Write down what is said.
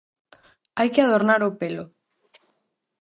Hai que adornar o pelo.